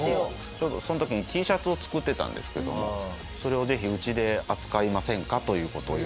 ちょうどその時にＴシャツを作ってたんですけどもそれをぜひうちで扱いませんかという事を言われてですね。